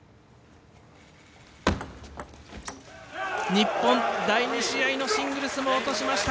日本、第２試合のシングルスも落としました。